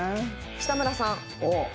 北村さん。